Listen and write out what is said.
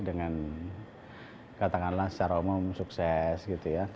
dengan katakanlah secara umum sukses gitu ya